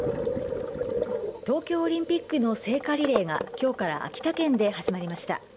東京オリンピックの聖火リレーがきょうから秋田県で始まりました。